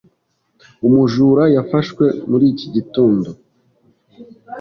Umujura yafashwe muri iki gitondo.